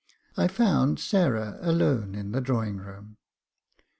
I found Sarah alone in the drawing room.